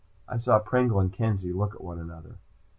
I saw Pringle and Kenzie look at one another.